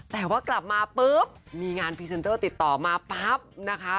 แต่ว่ากลับมาปุ๊บมีงานพรีเซนเตอร์ติดต่อมาปั๊บนะคะ